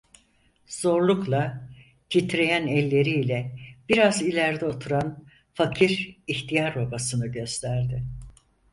Zorlukla, titreyen elleri ile biraz ileride oturan, fakir ihtiyar babasını gösterdi.